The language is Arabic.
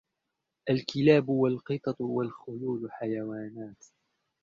الكلاب والقطط والخيول حيوانات.